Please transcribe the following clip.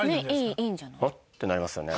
「お！！」ってなりますよね。